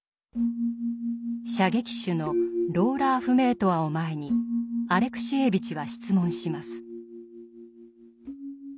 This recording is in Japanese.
射撃手のローラ・アフメートワを前にアレクシエーヴィチは質問します。